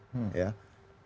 ada sebuah hadith yang